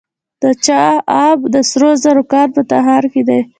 د چاه اب د سرو زرو کان په تخار کې دی.